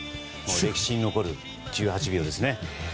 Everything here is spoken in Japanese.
歴史に残る１８秒ですね。